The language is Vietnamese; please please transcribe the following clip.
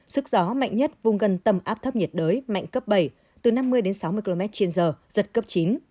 sức gió mạnh nhất vùng gần tâm áp thấp nhiệt đới mạnh cấp bảy từ năm mươi đến sáu mươi km trên giờ giật cấp chín